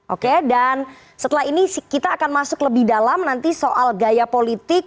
oke dan setelah ini kita akan masuk lebih dalam nanti soal gaya politik